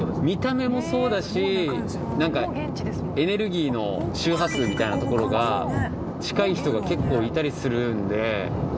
見た目もそうだしなんかエネルギーの周波数みたいなところが近い人が結構いたりするんで。